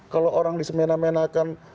kalau orang disemenamenakan